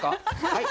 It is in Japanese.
はい。